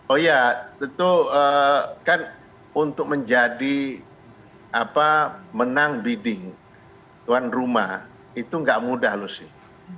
oh iya tentu kan untuk menjadi menang bidding tuan rumah itu nggak mudah loh sih